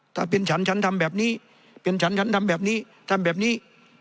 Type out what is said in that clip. ถ้าเป็นฉันฉันทำแบบนี้เป็นฉันฉันทำแบบนี้ทำแบบนี้